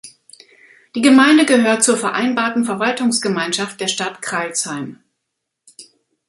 Die Gemeinde gehört zur Vereinbarten Verwaltungsgemeinschaft der Stadt Crailsheim.